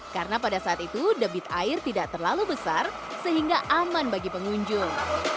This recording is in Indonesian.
karena pada saat itu debit air tidak terlalu besar sehingga aman bagi pengunjung